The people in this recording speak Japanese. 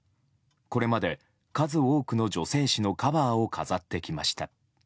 これまで数多くの女性誌のカバーを飾ってきました。